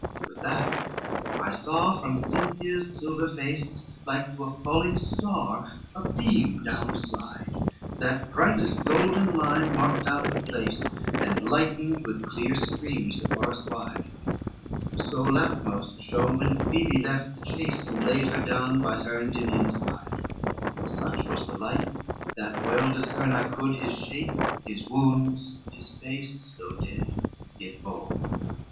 XXXII "With that I saw from Cynthia's silver face, Like to a falling star a beam down slide, That bright as golden line marked out the place, And lightened with clear streams the forest wide; So Latmos shone when Phoebe left the chase, And laid her down by her Endymion's side, Such was the light that well discern I could, His shape, his wounds, his face, though dead, yet bold.